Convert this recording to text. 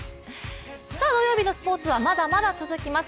さあ土曜日のスポーツはまだまだ続きます。